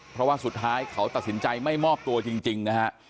เพราะว่าสุดท้ายเขาตัดสินใจไม่มอบตัวจริงนะฮะ